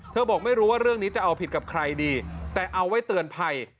บอกไม่รู้ว่าเรื่องนี้จะเอาผิดกับใครดีแต่เอาไว้เตือนภัย